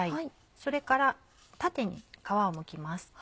それから縦に皮をむきます。